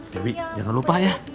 debbie jangan lupa ya